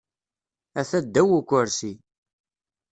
Ata ddaw ukursi.